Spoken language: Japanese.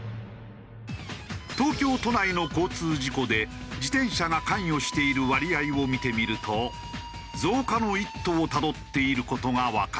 東京都内の交通事故で自転車が関与している割合を見てみると増加の一途をたどっている事がわかる。